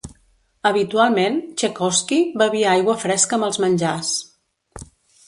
Habitualment Txaikovski bevia aigua fresca amb els menjars.